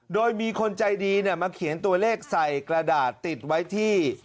โดยมีคนใจดีมาเขียนตัวเลขใส่กระดาษติดไว้ที่